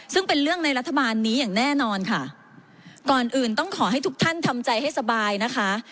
ซึ่งเป็นเรื่องในรัฐบาลนี้อย่างแน่นอนค่ะก่อนอื่นต้องขอให้ทุกท่านทำใจให้สบายนะคะ